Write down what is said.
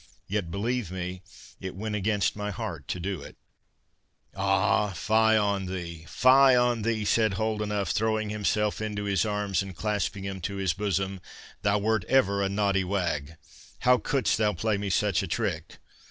Yet, believe me, it went against my heart to do it." "Ah, fie on thee, fie on thee," said Holdenough, throwing himself into his arms, and clasping him to his bosom, "thou wert ever a naughty wag. How couldst thou play me such a trick?